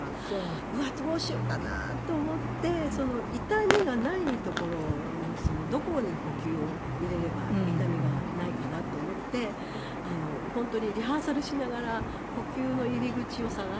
うわどうしようかなと思って痛みがない所のどこに呼吸を入れれば痛みがないかなと思って本当にリハーサルしながら呼吸の入り口を探して。